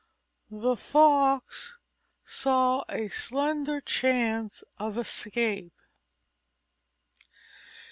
The Fox saw a slender chance of escape.